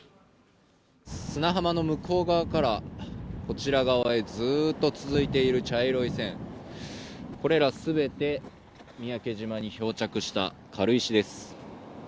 砂浜の向こう側からこちら側へずっと続いている茶色い線これらすべて三宅島に漂着した軽石です